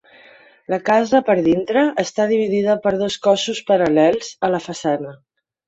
La casa per dintre està dividida per dos cossos paral·lels a la façana.